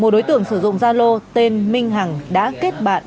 một đối tượng sử dụng zalo tên minh hằng đã kết bạn